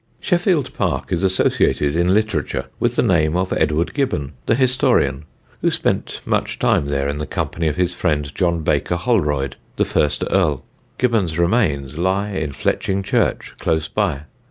Sheffield Park is associated in literature with the name of Edward Gibbon, the historian, who spent much time there in the company of his friend, John Baker Holroyd, the first earl. Gibbon's remains lie in Fletching church, close by.